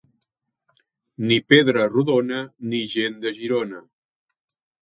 Ni pedra rodona, ni gent de Girona.